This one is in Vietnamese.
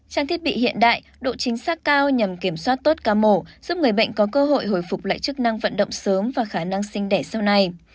trang thiết bị hiện đại độ chính xác cao nhằm kiểm soát tốt ca mổ giúp người bệnh có cơ hội hồi phục lại chức năng vận động sớm và khả năng sinh đẻ sau này